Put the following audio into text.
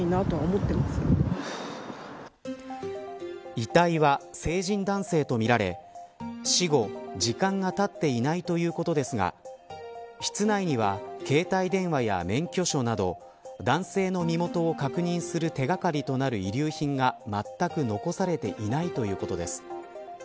遺体は成人男性とみられ死後時間がたっていないということですが室内には携帯電話や免許証など男性の身元を確認する手掛かりとなる遺留品がまったく残されていないということです。